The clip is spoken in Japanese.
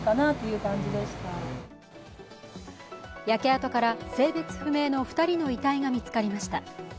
焼け跡から性別不明の２人の遺体が見つかりました。